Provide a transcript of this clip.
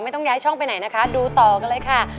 ไม่ต้องย้ายช่องไปไหนนะคะดูต่อกันเลยค่ะ